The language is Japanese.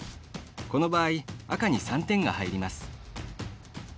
この場合、赤に３点が入ります。